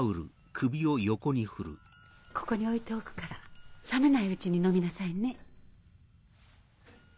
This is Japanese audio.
ここに置いておくから冷めないうちに飲みなさいね。